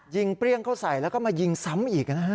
เปรี้ยงเข้าใส่แล้วก็มายิงซ้ำอีกนะฮะ